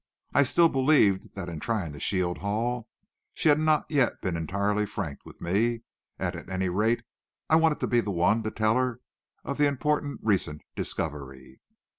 I still believed that in trying to shield Hall, she had not yet been entirely frank with me, and at any rate, I wanted to be the one to tell her of the important recent discovery.